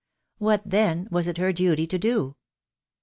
What, then, was it her duty to do